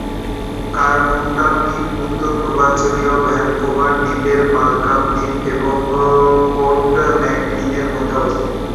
Cormorant দ্বীপ উত্তর-পূর্বাঞ্চলীয় Vancouver দ্বীপের Malcolm দ্বীপ এবং পোর্ট ম্যাকনিলের মধ্যে অবস্থিত।